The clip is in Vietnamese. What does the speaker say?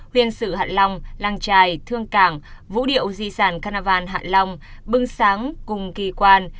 huyền sự hạ long lang trai thương cảng vũ điệu di sản carnaval hạ long bưng sáng cùng kỳ quan